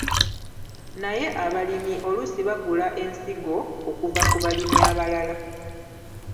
Naye abalimi oluusi bagula ensigo okuva ku balimi abalala.